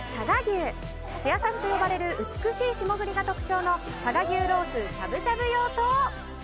艶さしと呼ばれる美しい霜降りが特徴の佐賀牛ロースしゃぶしゃぶ用と。